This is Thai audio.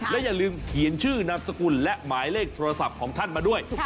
และอย่าลืมเขียนชื่อนามสกุลและหมายเลขโทรศัพท์ของท่านมาด้วย